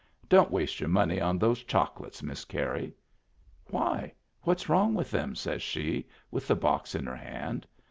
Don't waste your money on those chocolates, Miss Carey." " Why, what's wrong with them ?" says she, with the box in her hand.